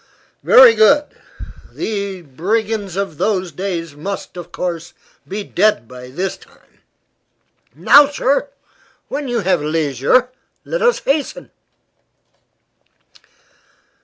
"Very good. The brigands of those days must, of course, be dead by this time. Now, sir, when you have leisure, let us hasten."